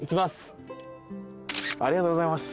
ありがとうございます。